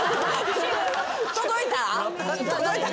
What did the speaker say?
届いた？